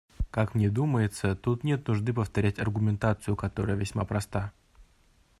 Как мне думается, тут нет нужды повторять аргументацию, которая весьма проста.